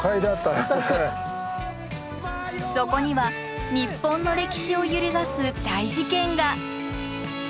そこには日本の歴史を揺るがす大事件が。